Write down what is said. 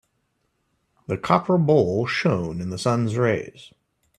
The copper bowl shone in the sun's rays.